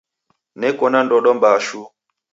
Neko na ndodo mbaa shuu.